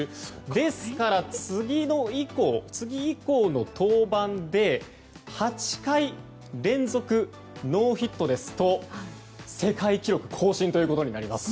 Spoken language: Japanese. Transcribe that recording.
ですから、次以降の登板で８回連続ノーヒットですと世界記録更新となります。